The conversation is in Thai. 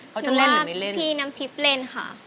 เขาจะเล่นหรือไม่เล่นหนูว่าพี่น้ำทิพย์เล่นค่ะ